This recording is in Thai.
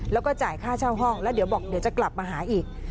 แล้วก็จ่ายค่าเช่าห้องแล้วเดี๋ยวบอกเดี๋ยวจะกลับมาหาอีก